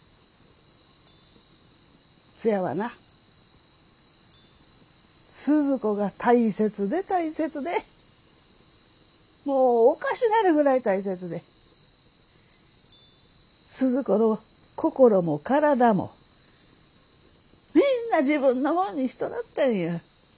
ツヤはなスズ子が大切で大切でもうおかしなるぐらい大切でスズ子の心も体もみんな自分のもんにしとなったんや。